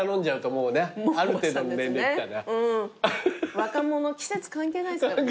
若者季節関係ないですからね。